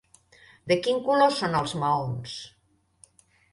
De quin color són els maons?